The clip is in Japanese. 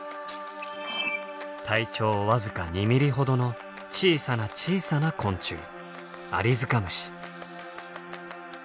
体長僅か２ミリほどの小さな小さな昆虫アリヅカムシ。